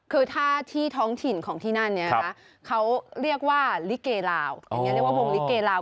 คือถ้าที่ท้องถิ่นของที่นั่นเนี่ยเขาเรียกว่าลิเกลา